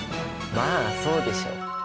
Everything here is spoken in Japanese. まあそうでしょ！